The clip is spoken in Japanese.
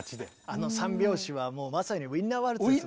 あの３拍子はもうまさに「ウィンナ・ワルツ」ですもんね。